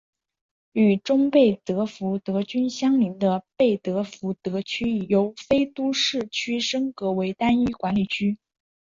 与中贝德福德郡相邻的贝德福德区由非都市区升格为单一管理区。